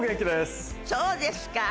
そうですか。